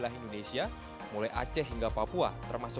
dan menyebabkan kegagalan dari perusahaan swasta